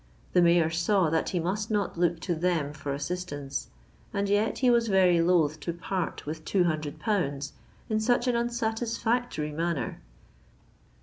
The Mayor saw that he must not look to them for assistance; and yet he was very loath to part with two hundred pounds in such an unsatisfactory manner.